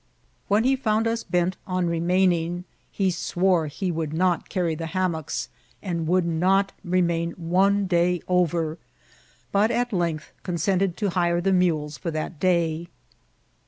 When he foond us bent on remaining, he swore he would not A NBW BIFFICVLTT. lOT oury the hammocks, and would not remain one day orer, but at length consented to hire the mules for that day.